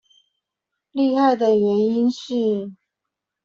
厲害的原因是